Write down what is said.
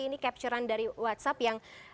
ini capture an dari whatsapp yang